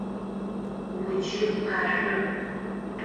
Уджы, къашъо!